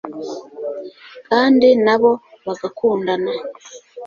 kandi nabo bagakundana